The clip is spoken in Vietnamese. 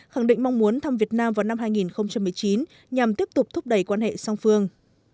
khẳng định mong muốn thăm việt nam vào năm hai nghìn một mươi chín nhằm tiếp tục thúc đẩy quan hệ song phương